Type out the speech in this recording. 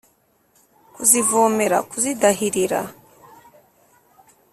kuzivomera kuzidahirira